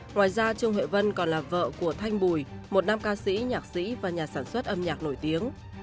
ngoài ra trương huệ vân còn là vợ của thanh bùi một nam ca sĩ nhạc sĩ và nhà sản xuất âm nhạc nổi tiếng